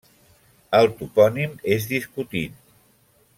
El topònim és discutit.